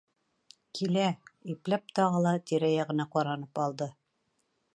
Килә! -ипләп тағы ла тирә-яғына ҡаранып алды.